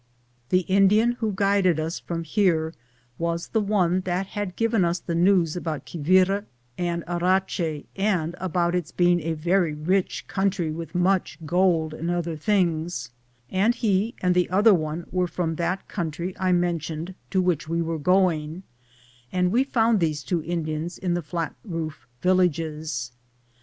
The Indian who guided us from here was the one that had given us the news about Quevira and Arache (or Arahei) and about its being a very rich country with much gold and other things, and he and the other one were from that country I mentioned, to am Google THE JOURNEY OP CORONADO which we were going, and we found these two Indians in the flat roof villages.